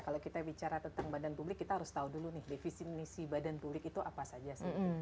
kalau kita bicara tentang badan publik kita harus tahu dulu nih defisit misi badan publik itu apa saja